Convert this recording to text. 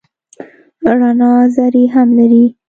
رڼا ذرې هم لري.